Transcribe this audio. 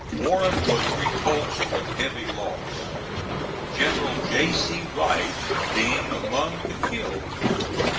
Warren was repulsed with heavy loss, General J. C. Rice being among the killed.